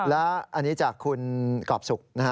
และอันนี้จากคุณกรอบสุขนะฮะ